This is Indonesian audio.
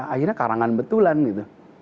akhirnya karangan betulan gitu